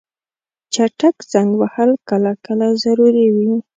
چټک زنګ وهل کله کله ضروري وي.